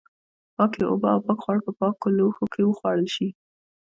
پاکې اوبه او پاک خواړه په پاکو لوښو کې وخوړل شي.